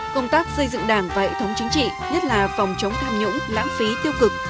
công tác xây dựng đảng và hệ thống chính trị nhất là phòng chống tham nhũng lãng phí tiêu cực